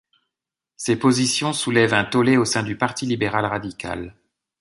Ses positions soulèvent un tollé au sein du Parti libéral-radical.